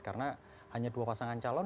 karena hanya dua pasangan calon